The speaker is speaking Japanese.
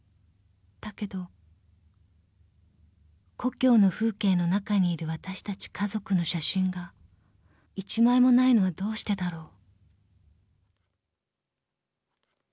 ［だけど故郷の風景の中にいるわたしたち家族の写真が１枚もないのはどうしてだろう？］